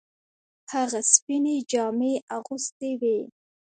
هغه سپینې جامې اغوستې وې.